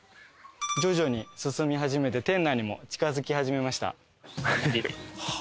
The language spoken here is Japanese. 徐々に進み始めて店内にも近づき始めました。